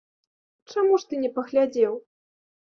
Чаму ж ты не паглядзеў?